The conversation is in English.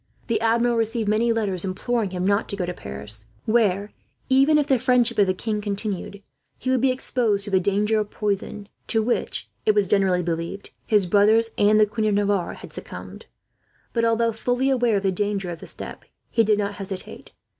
The Admiral received many letters imploring him not to go to Paris; where, even if the friendship of the king continued, he would be exposed to the danger of poison, to which, it was generally believed, his brothers and the Queen of Navarre had succumbed; but although fully aware of the danger of the step, he did not hesitate.